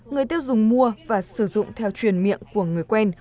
người tiêu dùng mua và sử dụng theo truyền miệng của người quen